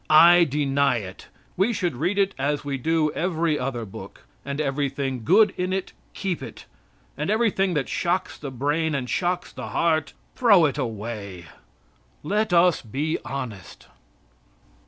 I deny it. We should read it as we do every other book, and everything good in it, keep it and everything that shocks the brain and shocks the heart, throw it away. Let us be honest.